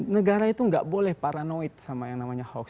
negara itu nggak boleh paranoid sama yang namanya hoax